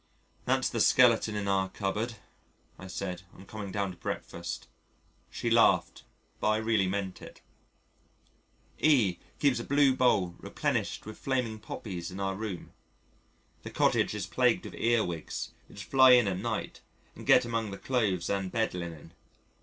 "That's the skeleton in our cupboard," I said on coming down to breakfast. She laughed, but I really meant it. E keeps a blue bowl replenished with flaming Poppies in our room. The cottage is plagued with Ear wigs which fly in at night and get among the clothes and bedlinen.